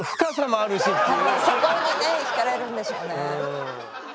そこにねひかれるんでしょうね。